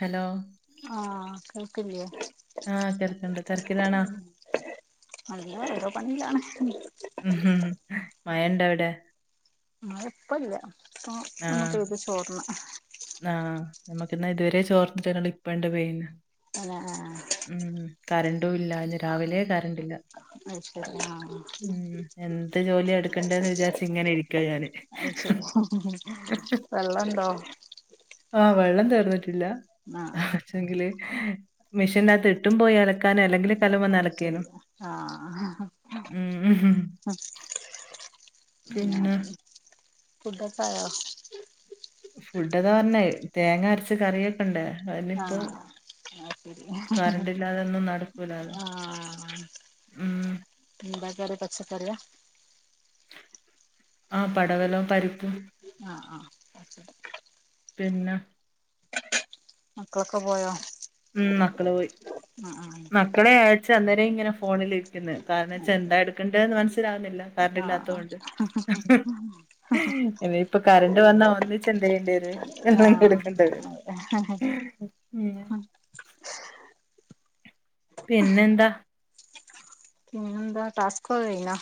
Hello ആഹ് കേൾക്കില്ലേ ആഹ് കേൾക്കണ്ട് തിരക്കിലാണോ അല്ല ഓരോ പണിയിലാണ് ഉം മയ ഇണ്ടോ അവിടെ മഴ ഇപ്പല്ല ഇപ്പ ഒന്ന് ആഹ് പെയ്ത് ചോർന്ന് ആഹ് നമുക്കന്നാ ഇതുവരെ ചോർന്നിട്ടന്ന ഇപ്പണ്ട് പേയിന്ന് ആണോ ആ ഉം കറണ്ടും ഇല്ല അ രാവിലെ കറണ്ട്ല്ല അ ശരി ആ ഉം എന്ത് ജോലി എടുക്കേണ്ടന്ന് വിചാരിച്ച ഇങ്ങനെ ഇരിക്കുവ ഞാാന് അ ശരി വെള്ളംണ്ടോ ആഹ് വെള്ളം തീർന്നിട്ടില്ല ആഹ് ആഹ് ല് മെഷീൻകത്ത് ഇട്ടും പോയി അലക്കാനും അല്ലെങ്കിൽ അ കല്ലുമ്മന്ന് അലക്കേനു ശരി ആഹ ഉം പിന്നെ ഉ ഫുഡക്കായോ ഫുഡ് കണ്ട് തേങ്ങ അരച്ച കറിയൊക്കെ ഇണ്ട് ആഹ ആ ശരി കറണ്ട് ഇല്ലാതൊന്നും നടക്കൂലാലോ ആഹ ഉം ഇന്ടാ കറി പക്ഷക്കറിയ ആ പടവലം പരിപ്പും ആഹ് ആഹ പിന്നെ മക്കളൊക്കെ പോയോ മ മക്കള് പോയി ആഹ് മക്കളെ ആഴച്ച അന്നേരം ഇങ്ങനെ ഫോണിൽിരിക്കുന്ന നാവച്ച എന്താ എടക്കേണ്ടേ ന്ന് മനസ്സിലാവില്ല കർഡ് ആഹ് ഇല്ലാത്തോണ്ട് ഇനി ഇപ്പൊ കറണ്ട് വന്നാ ഒന്നച്ച് എന്ത്തു ചെയ്യേണ്ടി വരു ആഹ് എല്ലാം എടുക്കണ്ട വരും ആഹ് അതെ. പിന്നെന്താ എന്താ ടാസ്കക്കായിഞോ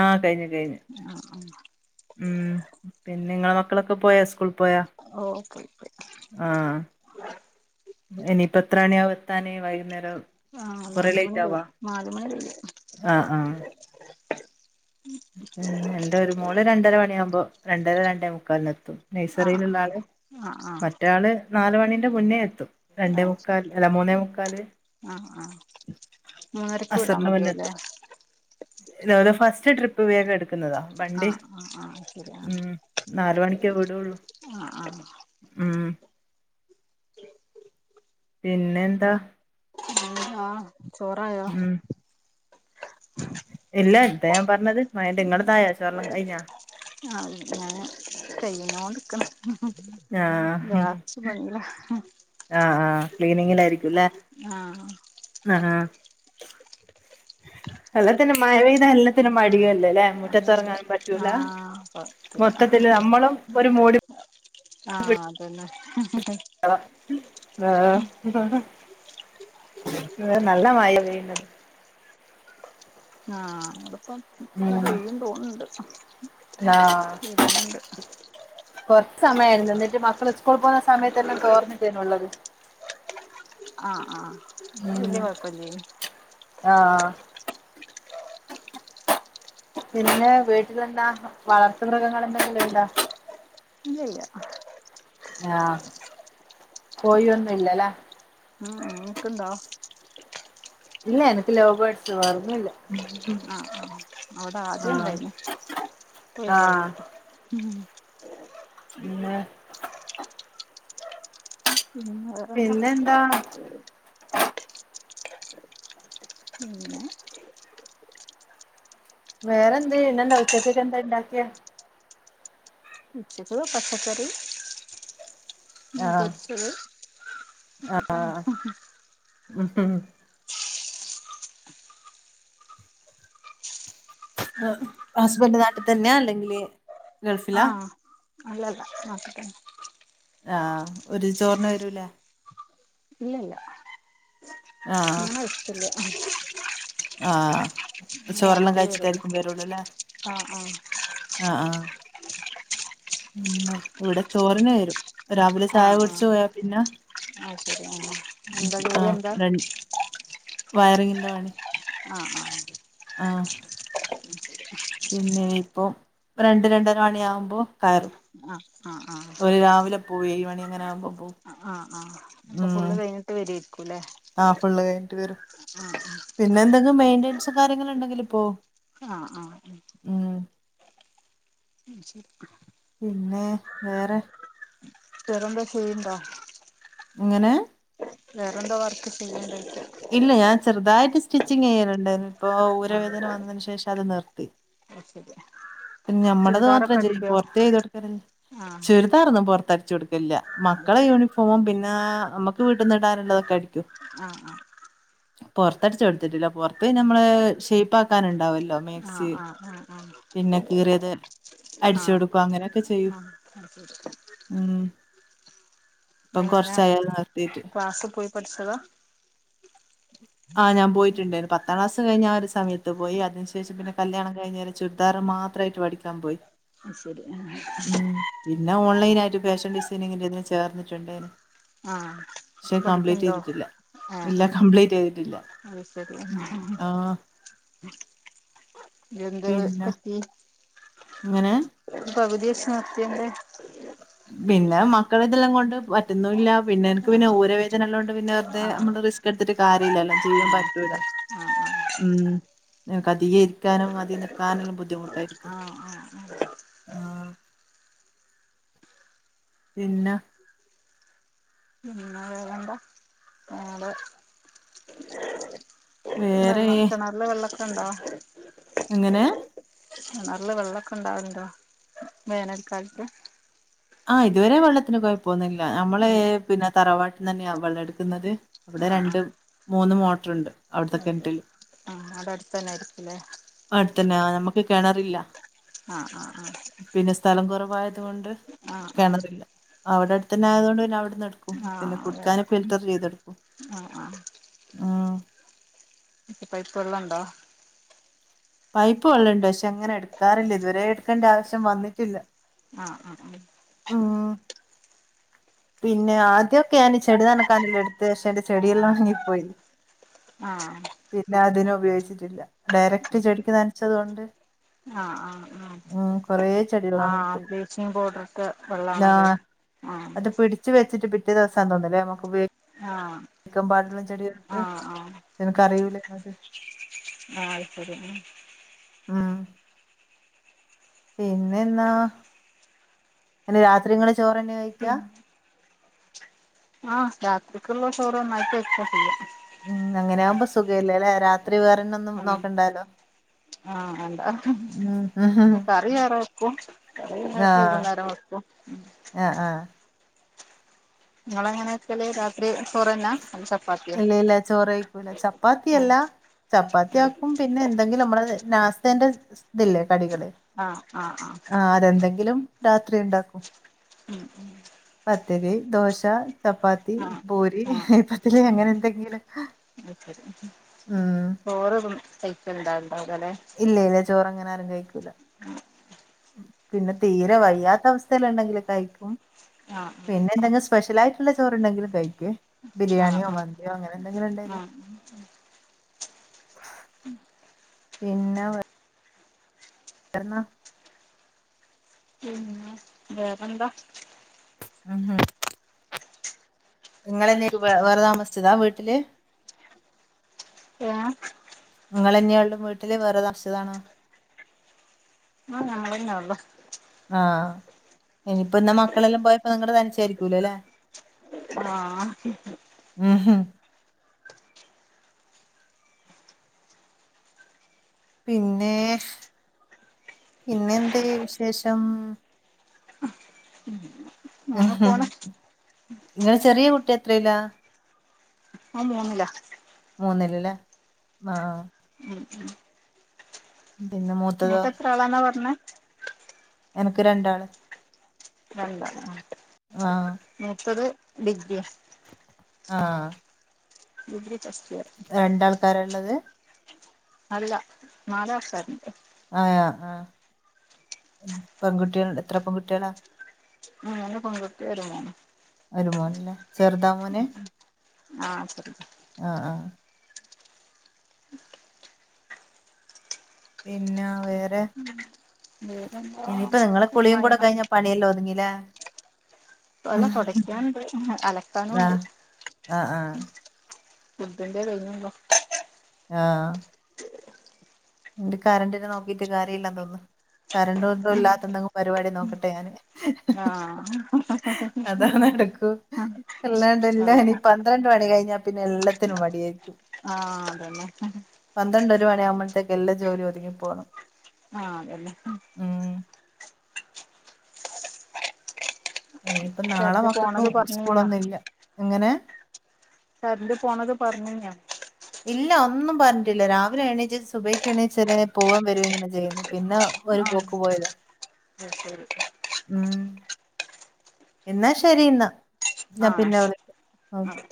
ആ കഴിഞ്ഞു കഴിഞ്ഞു ആ ഉ ഉ പിന്നെ നിങ്ങളെ മക്കളൊക്കെ പോയാ സ്കൂളിൽ പോയാ ഓ പോയി ആഹ് ഇനിയിപ്പ എത്ര മണിയക എത്താനേ വൈകുന്നേരം കൊറേ ലേറ്റ് ആവോ നാലുമണി ആഹ ആഹ പിന്നെ എന്റെ ഒരു മോള് രണ്ടര മണിയാകുമ്പോൾ രണ്ടര രണ്ടെമുക്കാൽ എത്തും ആഹ് നഴ്സറിൽുള്ള ആള് ആഹ് ആഹ് ആഹ് മറ്റള് നാല മണീന്റെ മുന്നേ എത്തും രണ്ടേ മുക്കാൽ അല്ല മൂന്നേ മുക്കാല് ആഹ ആഹ അസറിന മുന്നെത്തും ഇല ഫസ്റ്റ് ട്രിപ്പ് വേഗം എടുത്തു ന്നാ വണ്ടി ആഹ് ആഹ് ആഹ് ശരി ഉ നാല മണിക്കേ വിീടുള്ളൂ ആഹ ആ ഹ്മ്മ് പിന്നെന്താ ആ ചോറായോ ഉം ഇല്ല ഇന്താ ഞാൻ പറഞ്ഞത് മയ്ന്റെ ഇങ്ങടതായോ ചോർ കിഞ്ഞാ ആ ഞൻ ചെയ്യനോടുക്കണ്‌ ഹും ആഹ് ലാസ്റ്റ് പണില ആഹ ആ് ക്ലീനിങ്ങിൽ ആയിരിക്കും അല്ലെ ആഹ ആഹ [unintelligible] [inaudible] എല്ലാത്തിനും മഴ പെയ്ത എല്ലാത്തിനും മടിയല്ല അല്ലേ അതെ അതെ മുറ്റത്ത്റങ്ങാൻ പറ്റൂല ആഹ് കൊഴപ്പല്ല മൊത്തത്തില് നമ്മളും ഒരു മൂടി ആഹ അതന്നെ ആ നല്ല മായ യീനീ ഇന്ന് ആഹ അവിടപ്പ ഇപ്പ ഉം പെയ്യും തോന്നുന്നുണ്ട് വരുന്നുണ്ട് കൊറച്ച സമയായിരുന്നു എന്നിട്ട് മക്കൾ സ്കൂള പോകുന്ന സമയത്തെല്ലാം തോർന്നിട്ടേന്നള്ളത് ആഹ ആഹ വല്യ കുഴപ്പില്ലേണ് ആഹ ഹ പിന്നെ വീട്ടില്ന്താ വളർത്ത് മൃഗങ്ങളെ ന്തെങ്കിലും ഇണ്ടാ. ഇല്യ ല്ല്യാ ആഹ കോയിന്നുംല്ലല്ലാ ങ്ങക്ക്ണ്ടാ ഇല്ല എനക്ക് ലൗവ് ബെഡ്‌സ് വേറോന്നും ല്ല ആഹ അവിടെ ആദ്യംണ്ടായിന്നു. ആഹ് പ്പഒയിവാക്കി [unintelligible] ഹും വേറെന്താ പിന്നെന്താ പിന്നേ വേറെന്ത് ഇന്നെന്താ ഉച്ചക്കക്ക് ന്താണ്ടാക്കിയാ ഉച്ചക്ക് പച്ചക്കറി ഉം ആഹ് പൊരിച്ചത് [unintelligible] ഹും ഹും ഹസ്ബൻഡ് നാട്ടി തന്നെയ അല്ലെങ്കില് ഗൾഫിലാ ആഹ അല്ല ല്ലാ നട്ടിതന്നെ ആ ഒര് ചോറിന് വരൂലേ? ഇല്ല ഇല്ല ആഹ് ഞങ്ങട്തില്ല ആഹ ചോരെല്ലാം വരുള്ളൂ കഴിച്ചിട്ടായിരിക്കും വരുള്ളൂല്ലേ ആഹ് ആഹ് ആഹ ആഹ ഹേ ഇവിടെ ചോറിന് വരും രാവിലെ ചായ ആഹ് കുട്ച്ച് ആഹ് പോയാ പിന്നെ അത് ശരി ആഹ് എന്താ ജോലി ആഹ എന്താ രണ്ട് വയറിങ്ങി്ൻ്റെ പണി ആ ആഹ ആഹാ [unintelligible] പിന്നെ ഇപ്പൊ രണ്ട് രണ്ടര മണിയാാവുമ്പോ കയ്റും. ആ ആഹ ആഹ ഒര് രാവിലെ പോയി ഏഴ് മണിങ്ങനെ ആകുമ്പോ പോവും ആഹ് ആ അപ്പൊ ഫുള്ള് കഴിഞ്ഞിട്ട് വരെ ര്ക്കുല്ലേ ആ ഫുള്ള് കഴിഞ്ഞിട്ട് വരും. പിന്നെ എന്തെങ്കിലും മെയിന്റൻസ് കാര്യങ്ങള് ഉണ്ടെങ്കില് പ്പോ ആ ആഹാ ഉും [unintelligible] പിന്നെ വേറെ? വേറന്താ ചെയ്യണ്ടാ ങ്ങനേ വേറെന്താ വർക്ക് ചെയ്യണ്ട് ഇല്ല ഞാൻ ചെറുതായിട്ട് സ്റ്റിച്ചിങ് ചെയ്യലുണ്ടയിന് ഇപ്പോ ഊരവേദന വന്നതിന് ശേഷം അത് നിർത്തി. അ ശരിയ. പിന്നെ ഞമ്മടത് മാത്രം ചെയ്യ പുൊറത്ത് ചെയ്തൊട്ക്ക്ണ ചേർ ആഹ് ചുരിദാറൊന്നും പൊറത്തടച്ചു കൊടുക്കില്ല. മക്കളെ യൂണിഫോമും പിന്ന നമുക്ക് വീട്ടിന്ന് ഇടാനുള്ളതൊക്കെ അടിക്കും. ആഹാ ആഹാ പോറത്തട്ചോട്ത്ത്ട്ടില്ല. പുറത്ത് നമ്മള് ഷേയ്പ്പാക്കാന്ണ്ടാവുല്ലോ? ആഹ ആഹ ആഹ ആഹ പിന്നെ കീറിയത് അടിചൊട്ക്ക അങ്ങനെയൊക്കെ ചെയ്യും. [inaudible] ഉം പ്പകൊറച്ചായാൽ നിർത്തിട്ട്. ക്ലാസ്സ് പോയി പടിച്ചത [unintelligible] ആ ഞാൻ പോയിട്ടുണ്ടായിരുന്നു. പത്താം ക്ലാസ് കഴിഞ്ഞ ആ ഒരു സമയത്ത് പോയി. അതിനു ശേഷം പിന്നെ കല്യാണം കഴിഞ്ഞ് ചുരിദാറ് മാത്രമായിട്ട് പഠിക്ക ക്കാമ്പോയി. അ ശരി. ആ ആ പിന്നെ ഓൺലൈൻ ആയിട്ട് ഫാഷൻ ഡിസൈനിങ്ങിന്റെതിന് ചേർന്നിട്ടുണ്ടേന്. ആഹ് പക്ഷെ കംപ്ലീറ്റ് പഠിക്ക്ണ്ടോ ചെയ്തിട്ടില്ല. ആഹ് ഇല്ല ആഹ് കംപ്ലീറ്റ് ചെയ്തിട്ടില്ല. അത് ശരി ആഹ് ആ. ആഹ് എന്ത പറ്റ്യേ? എങ്ങനെ? പകുതിവെച്ച് നിർത്യന്റെ, പിന്നെ മക്കള ഇതെല്ലാം കൊണ്ട് പറ്റുന്നുല്ല. പിന്നെ എനിക്ക് പിന്നെ ആഹ് ഊര അതിനൊള്ളണ്ട് പിന്നെ വെറുതെ ആഹ് നമ്മള് റിസ്ക് എടുത്തിട്ട് കാരില്ലാല്ലോ. ചെയ്യൻ ആഹ് പറ്റൂല. ശരി ആഹ് ഉം നിക്ക് അധിക ഇരിക്കാനും, അധികം നിക്കാനുംല്ലാം ബുദ്ധിമുട്ടായിരിക്കും. ആഹ് ഉം. പിന്ന, പിന്നെ വേറെന്താ? [unintelligible] വേറെ വെള്ളം കിണറിലെ വെള്ളംക്കെ ഉണ്ടോ? എങ്ങനെ? കിണറില് വെള്ളക്കെ ഇണ്ടാവറ്ണ്ടോ വേനൽക്കാലത്ത്? ആ ഇതുവരെ വെള്ളത്തിന് കൊയപോന്നില്ല. നമ്മള് ഉം പിന്നെ തറവാട്ടിൽന്ന് തന്നെയാ വെള്ളം എടുക്കുന്നത്. അവിടെ ആഹ് രണ്ട് ആഹ് മൂന്ന് മോട്ടർണ്ട് അവിടത്തെ കിണ്റ്റില്. ആടെടുത്തന്നെ ആയിരിക്കില്ലേ അട്ത്തന്നെ ആഹ് നമ്മക്ക് കെണറില്ല. ആ ആ ആഹ് പിന്നെ സ്ഥലം കുറവായത് കൊണ്ട് ആഹ് ആഹ് കെണറില്ല. അവിടെ അടുതന്നെ ആയത് കൊണ്ട് പിന്നെ അവിടെന്ന് എടു ആഹ് ആഹ് പിന്നെ അതെ കുടുക്കാനക്ക ഫിൽറ്റർ ചെയ്തെടുക്കും. ആഹ് ഉം. ഇപ പൈപ്പള്ളുണ്ടോ? പൈപ്പ് വെള്ളംണ്ട്. പക്ഷെ അങ്ങനെ എടുക്കാറില്ല. ഇതുവരെ എടുക്കേണ്ട ആവശ്യം വന്നിട്ടില്ല. ആഹ ആ ആ. ഉം. പിന്നെ ആദ്യമൊക്കെ ഞാനി ചെടി നനക്കാനെല്ലാം എടുത്ത, ശേഷം എന്റെ ചെടിയെല്ലാം ഒണങ്ങി പോയി. ആഹ. പിന്നെ അതിന് ഉപയോഗിച്ചിട്ടില്ല. ഡയറക്ട് ചെടിക്ക് നനച്ചതോണ്ട് ആ ആ ആ ചെടികളാണ് ഇപ്പ ആഹ് ബ്ലീച്ചിങ് പൗഡർ ഇട്ട ആ വെള്ളാണല്ലേ ആഹ്. അത് പിടിച്ച് വെച്ചിട്ട് പിറ്റേ ദിവസാതോന്ന്ണ്ല്ലേ നമക്ക് ആഹ് [unintelligible] ആഹ് ആഹ് നിനക്ക്റിയൂലെ? ആഹ് [unintelligible] ആഹ പിന്നെന്ന എ രാത്രി ഇങ്ങൾ ചോറന്നെ കഴിക്കാ? ഉം ആഹ് രാത്രിക്ക്ള്ള ചോറ് ഒന്നായ്ട്ട് വെക്ക [unintelligible] ഉം അങ്ങനെയ ആകുമ്പോ സുഖ ഇല്ല അല്ലെ രാത്രി വേറെന്നെന്നും ഉം നോക്കണ്ടാലോ. ആഹ് എന്താ ഹ്മ്മ് ഉം ഉ കറി വേറെ വെക്കും. കറി വൈകുന്നേരം വെക്കും ഉ. ആ ആഹ നിഞങ്ങള എങ്ങനെ വെക്കല് രാത്രി ചോറന്നാ ചപ്പാത്തിയോ ഇല്ല ഇല്ല ചോറയ്ക്കൂല, ഉം ചപ്പാത്തിയല്ലാ ചപ്പാത്തിയാക്കും, പിന്നെ എന്തെങ്കിലും അമ്മളെ നാസാതെന്റെ ഇതില്ലേ കടികള് ആഹ് ആഹ് ആഹ്. ആഹ് അതെന്തെങ്കിലും രാത്രി ഇണ്ടാക്കും. [inaudible] പത്തിരി, ദോശ, ചപ്പാത്തി, ആഹ് പൂരി, ആഹ് നെയ്പത്തില് അങ്ങനെന്തെങ്കിലൊക്കെ ചോറ് തും കഴിക്കാണ്ടാ ണ്ടാവില്ലല്ലേ ഇല്ല ഇല്ല ചോറങ്ങനെ ആരും കഴിക്കൂല. പിന്നെ തീരെ വയ്യാത്ത അവസ്ഥ ല്ലണ്ടെങ്കില് കഴിക്കും. ആഹ് പിന്നെ എന്തെങ്കിലു സ് സ്പെഷ്യലായിട്ട്ള്ളെ ചോറുണ്ടെങ്കിലും കഴിക്കും. ആഹ് ബിരിയാണിയോ ആഹ് മന്തിയോ അങ്ങനെന്തെങ്കിലും ഇണ്ടെങ്കിൽ [inaudible] പിന്നെ [unintelligible] ഉം വേറെന്താ? [unintelligible] നിങ്ങളെന്നാ വേറെ താമസിച്ചതാ വീട്ടില്? ഏഹ നിങ്ങൾന്നെയാ ഉള്ളും വീട്ടില് വേറെ താമസ്ച്ചതാണോ ആഹ് ഞങ്ങളെന്നൊള്ളു. ആഹ് ഇനിയിപ്പ ന്ന മക്കളെല്ലാം പോയപ്പോ നിങ്ങള് തനച്ചായിരിക്കൂ ലല്ലേ ആഹ് ഉം ഹും പിന്നെ പിന്നെ എന്ത് വിശേഷം [unintelligible] ഉം പോണ് ഇങ്ങളെ ചെറിയ കുട്ടി എത്രീല്ല? ഓ മോന്നില. മൂന്നില് ല്ലേ ആഹ് ഉം ഉം. പിന്നെ മൂത്തതോ? തളന്നാ പറഞ്ഞ എനക്ക് രണ്ടാള്. നണ്ടാ ആട്ടെ ആഹ് മൂത്തത് ഡിഗ്രിയാ. ആഹ [inaudible] രണ്ടാൾക്കാരള്ളത്? അല്ല. നാലു [unintelligible] ആ ആഹ. പെൺകുട്ടികള് എത്ര പെൺകുട്ടികളാ? മൂന്ന് പെൺകുട്ടിയും ഒരു മോനും. ഒരു മോനല്ലേ ചെറുതാ മോന്. ആഹ് ശരി ആഹ ആഹ. പിന്നെ വേറെ. വേറെന്താ ഇനിയിപ്പ നിങ്ങളടെ കുളിയും കൂടെ ടൈമായിണോ കഴിഞ്ഞ പണിയെല്ല ഒതുങ്ങില്ലേ. അല്ല ആഹ് തുടയ്ക്കാനുണ്ട്, അലക്കാനും ഉണ്ട്. ആഹാ.. ! ഫുഡിന്റെ കഴിഞ്ഞുലോ. ആഹ കരണ്ടറിനെ നോക്കിട്ട് കാര്യല്ലാ തോന്നുന്നു. കറണ്ട് കൊണ്ടും ഇല്ലാത്ത എന്തെങ്കിലും പരിപാടി നോക്കട്ടെ ഞാന്. ആഹ് അതാ നടക്കൂ. അതെ അല്ലാണ്ട്ല്ലനിപ്പാന്ന്, [unintelligible] കഴിഞാൽ പിന്നെ എല്ലത്തിനും മടി ആയിരിക്കും. ആഹ അതന്നെ. പന്ത്രണ്ട് ഒരു മണിയാവുമ്പോഴത്തേക്ക് എല്ലാ ജോലി ഒതുങ്ങിപ്പോണ്. ആ എല്ലാ [unintelligible] ഉം. ഇനിയിപ്പ നാളെ കരണ്ട് മക്കൊക്കെ പോണത് പറഞ്ഞീനോ ഉസ്കൂളൊന്നും ഇല്ല. എങ്ങനെ? [unintelligible] പോണത് പറഞ്ഞു ഞാൻ. ഇല്ല ഒന്നും പറഞ്ഞിട്ടില്ല രാവിലെ എണീച്ച് സുബയ്ക്ക് എണീച്ച് പോകാൻ വരും ഇങ്ങനെ ചെയ്യുന്നു. പിന്നെ- ഒരു ആഹ് പോക്ക് പോയതാ. അത് ശരി ഉം എന്നാ ശരി എന്നാ ഞാൻ ആഹ് പിന്നെ ശരി വിളിക്ക. ആഹ്